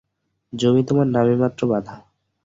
জমি তোমার নামেমাত্র বাঁধা।